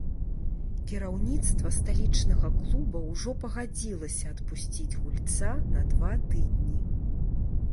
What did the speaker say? Кіраўніцтва сталічнага клуба ўжо пагадзілася адпусціць гульца на два тыдні.